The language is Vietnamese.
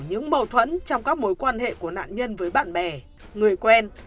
những mâu thuẫn trong các mối quan hệ của nạn nhân với bạn bè người quen